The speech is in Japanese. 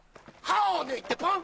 歯を抜いてポン！